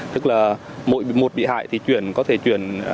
tức là mỗi một bị hại thì chuyển có thể chuyển một trăm linh hai trăm linh